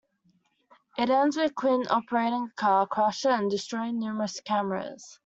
It ends with Quint operating a car crusher and destroying numerous cameras.